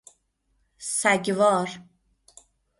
سگوار